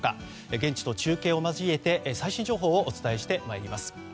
現地と中継を交えて、最新情報をお伝えしてまいります。